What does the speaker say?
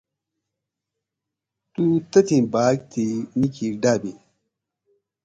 تو تتھی باۤگ تھی نِیکی ڈابی